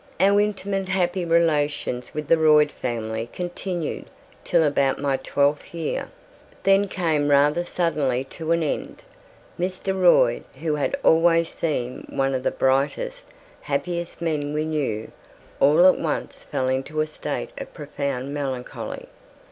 Our intimate happy relations with the Royd family continued till about my twelfth year, then came rather suddenly to an end. Mr. Royd, who had always seemed one of the brightest, happiest men we knew, all at once fell into a state of profound melancholy.